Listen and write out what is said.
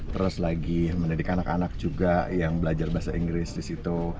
terus lagi mendidik anak anak juga yang belajar bahasa inggris disitu